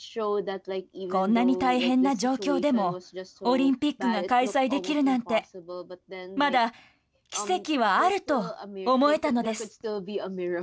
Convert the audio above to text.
こんなに大変な状況でも、オリンピックが開催できるなんて、まだ奇跡はあると思えたのです。